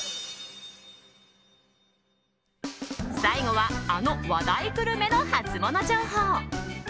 最後は、あの話題グルメのハツモノ情報。